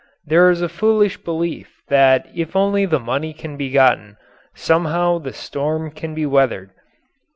There is a foolish belief that if only the money can be gotten, somehow the storm can be weathered.